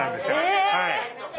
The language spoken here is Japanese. へぇ！